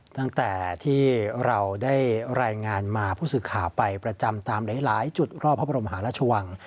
ตั้งแต่ที่เราได้รายงานมาผู้สื่อข่าวไปประจำตามหลายจุดรอบพระบรมหาราชวัง